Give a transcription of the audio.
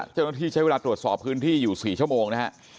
เจ้าหน้าที่ใช้เวลาตรวจสอบพื้นที่อยู่๔ชั่วโมงนะฮะ